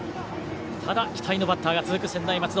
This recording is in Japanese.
ただ期待のバッターが続く専大松戸。